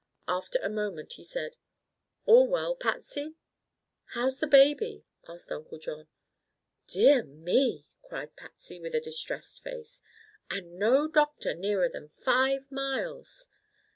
After a moment he said: "All well, Patsy?" "How's the baby?" asked Uncle John. "Dear me!" cried Patsy, with a distressed face; "and no doctor nearer than five miles!"